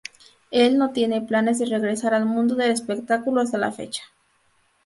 Él no tiene planes de regresar al mundo del espectáculo hasta la fecha.